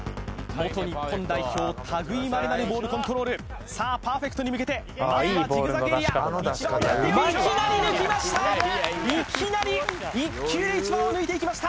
元日本代表たぐいまれなるボールコントロールさあパーフェクトに向けてまずはジグザグエリア１番を狙っていくいきなり抜きました！